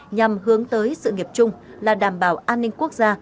nhằm hướng tới sự nghiệp chung là đảm bảo an ninh quốc gia